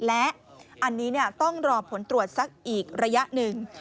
และอันนี้ต้องรอผลตรวจสักอีกระยะหนึ่ง